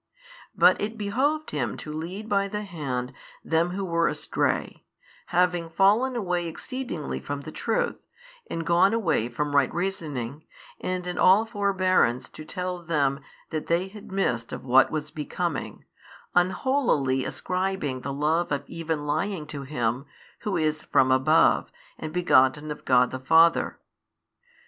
But it behoved Him to lead by the hand them who were astray, having fallen away exceedingly from the truth, and gone away from right reasoning, and in all forbearance to tell them that they had missed of what was becoming, unholily ascribing the love of even lying to Him Who is from above and begotten of God the Father.